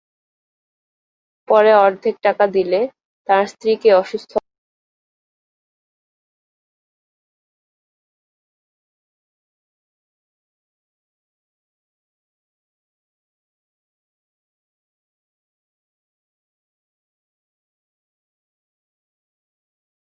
পরে অর্ধেক টাকা দিলে তাঁর স্ত্রীকে অসুস্থ অবস্থায় ঢাকায় ফেরত পাঠানো হয়।